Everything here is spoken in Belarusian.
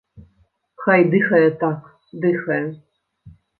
Хай дыхае так, дыхае.